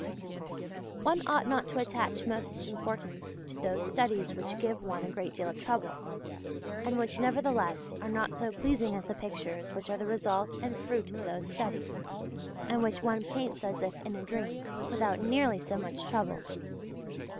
{II} One ought not to attach most importance to those studies which give one a great deal of trouble, and which nevertheless are not so pleasing as the pictures which are the result and fruit of those studies, and which one paints as if in a dream, without nearly so much trouble.